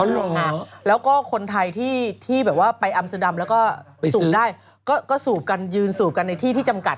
แล้วก็คนไทยที่แบบว่าไปอัมสดัมแล้วก็สูบได้ก็สูบกันยืนสูบกันในที่ที่จำกัด